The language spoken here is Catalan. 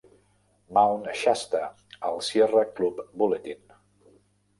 "Mount Shasta" al Sierra Club Bulletin.